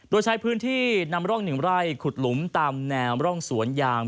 โดยใช้พื้นที่นำร่อง๑ไร่ขุดหลุมตามแนวร่องสวนยาง